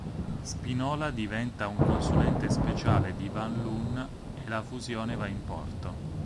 Spinola diventa un consulente speciale di Van Loon e la fusione va in porto.